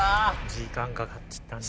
時間かかっちゃったな。